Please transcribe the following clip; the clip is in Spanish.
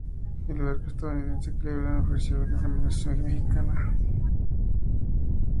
El barco estadounidense "Cleveland" ofreció a la guarnición mexicana llevarla hasta Acapulco.